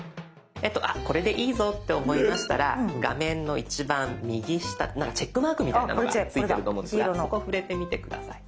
これでいいぞって思いましたら画面の一番右下何かチェックマークみたいなのが付いてると思うんですがそこ触れてみて下さい。